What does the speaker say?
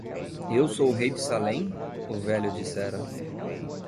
"Eu sou o rei de Salem?" o velho dissera.